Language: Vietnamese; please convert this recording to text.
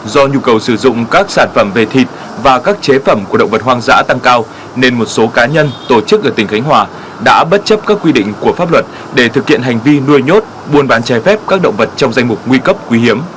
do nhu cầu sử dụng các sản phẩm về thịt và các chế phẩm của động vật hoang dã tăng cao nên một số cá nhân tổ chức ở tỉnh khánh hòa đã bất chấp các quy định của pháp luật để thực hiện hành vi nuôi nhốt buôn bán trái phép các động vật trong danh mục nguy cấp quý hiếm